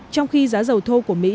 trong khi giá dầu thô của mỹ